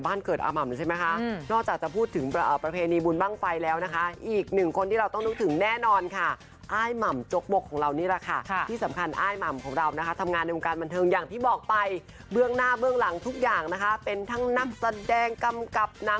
พาไปดูภาพบรรยากาศสดร้อนในช่วงสายที่ผ่านมา